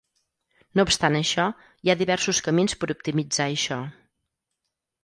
No obstant això, hi ha diversos camins per optimitzar això.